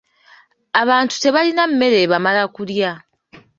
Abantu tebalina mmere ebamala kulya.